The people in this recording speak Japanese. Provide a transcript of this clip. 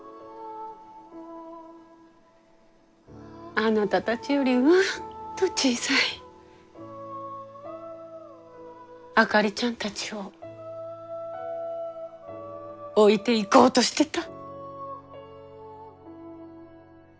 あなたたちよりうんと小さいあかりちゃんたちを置いていこうとしてた。